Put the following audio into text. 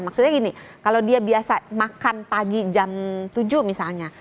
maksudnya gini kalau dia biasa makan pagi jam tujuh misalnya